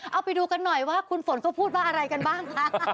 เอาไปดูกันหน่อยว่าคุณฝนเขาพูดว่าอะไรกันบ้างคะ